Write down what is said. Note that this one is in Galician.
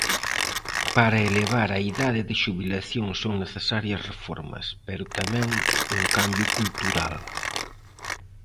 Para elevar a idade de xubilación son necesarias reformas, pero tamén un cambio cultural.